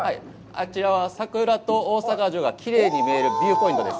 あちらは桜と大阪城がきれいに見えるビューポイントです。